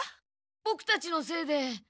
ボクたちのせいで。